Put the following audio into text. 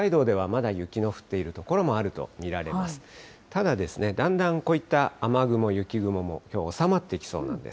ただ、だんだんこういった雨雲、雪雲も、きょうは収まってきそうなんです。